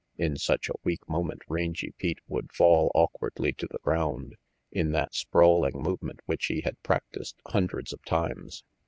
In such a weak moment Rangy Pete would fall awkwardly to the ground, in that sprawling movement which he had practiced hundreds of times.